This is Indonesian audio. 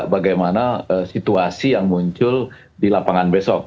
bagaimana situasi yang muncul di lapangan besok